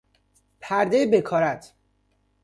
پردهٔ بکارت